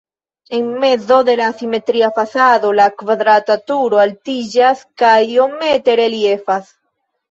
En mezo de la simetria fasado la kvadrata turo altiĝas kaj iomete reliefas.